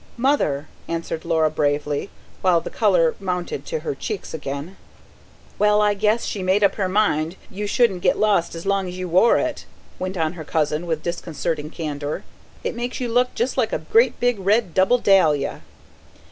"Mother," answered Laura bravely, while the colour mounted to her cheeks again. "Well, I guess she made up her mind you shouldn't get lost as long as you wore it," went on her cousin with disconcerting candour. "It makes you look just like a great big red double dahlia."